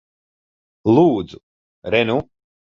Lūdzu. Re nu.